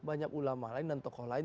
banyak ulama lain dan tokoh lain